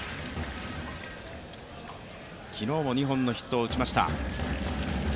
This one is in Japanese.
昨日も２本のヒットを打ちました。